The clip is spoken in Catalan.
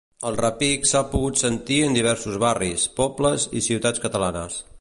El repic s’ha pogut sentir en diversos barris, pobles i ciutats catalanes.